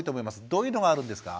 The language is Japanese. どういうのがあるんですか？